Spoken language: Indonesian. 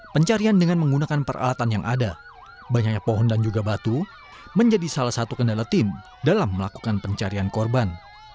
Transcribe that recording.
pencarian dengan menggunakan peralatan yang ada banyaknya pohon dan juga batu menjadi salah satu kendala tim dalam melakukan pencarian korban